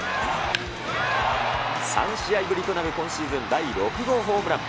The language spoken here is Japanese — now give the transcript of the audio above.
３試合ぶりとなる今シーズン第６号ホームラン。